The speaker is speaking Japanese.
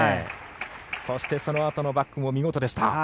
そのあとのバックも見事でした。